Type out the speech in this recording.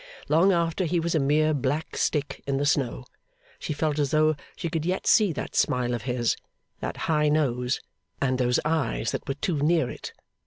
Long after he was a mere black stick in the snow, she felt as though she could yet see that smile of his, that high nose, and those eyes that were too near it.